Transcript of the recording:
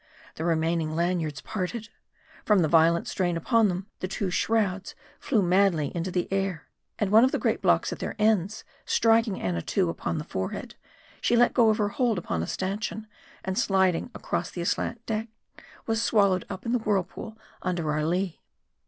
The remaining lanyards part ed. From the violent strain upon them> the two shrouds MARDI. 143 flew madly into the air, and one of the great blocks at their ends, striking Annatoo upon the forehead, she let go her hold upon a stanchion, and sliding across the aslant deck, was swallowed up in the whirlpool under our lea.